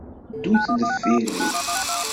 Ddut-d deffir-iw.